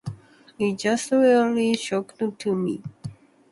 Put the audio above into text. It just really shocked me.